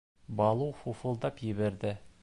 — Балу фуфылдап ебәрҙе.